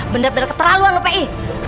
bener bener keterlaluan lo pi